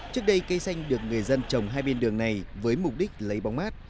trước đây cây xanh được người dân trồng hai bên đường này với mục đích lấy bóng mát